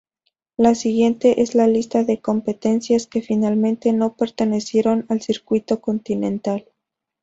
La siguiente es la lista de competencias que finalmente no pertenecieron al Circuito Continental.